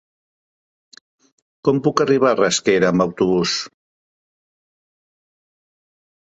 Com puc arribar a Rasquera amb autobús?